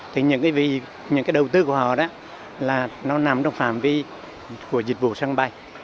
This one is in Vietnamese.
thì vì những cái đầu tư của họ đó là nó nằm trong phạm vi của dịch vụ sân bay